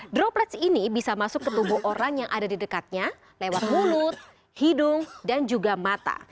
droplets ini bisa masuk ke tubuh orang yang ada di dekatnya lewat mulut hidung dan juga mata